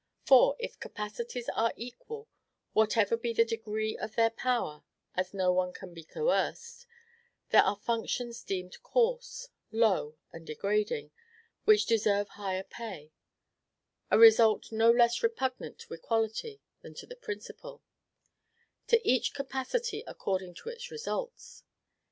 For, if capacities are equal, whatever be the degree of their power (as no one can be coerced), there are functions deemed coarse, low, and degrading, which deserve higher pay, a result no less repugnant to equality than to the principle, TO EACH CAPACITY ACCORDING TO ITS RESULTS.